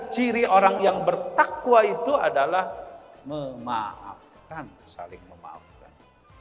ciri orang yang bertakwa itu adalah memaafkan saling memaafkan